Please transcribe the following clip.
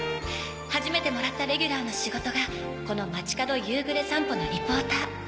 初めてもらったレギュラーの仕事がこの「街角夕ぐれさんぽ」のリポーター